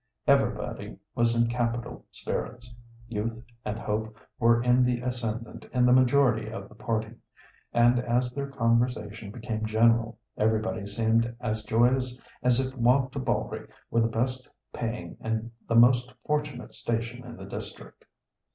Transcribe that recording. Everybody was in capital spirits; youth and hope were in the ascendant in the majority of the party, and as their conversation became general, everybody seemed as joyous as if Wantabalree were the best paying and the most fortunate station in the district.